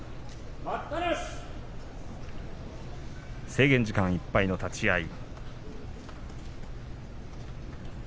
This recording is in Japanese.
制限時間いっぱいの立ち合い。